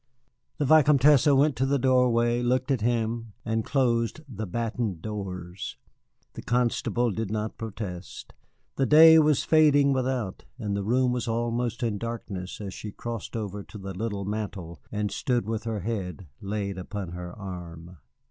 The Vicomtesse went to the doorway, looked at him, and closed the battened doors. The constable did not protest. The day was fading without, and the room was almost in darkness as she crossed over to the little mantel and stood with her head laid upon her arm.